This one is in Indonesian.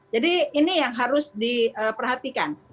jadi ini yang harus diperhatikan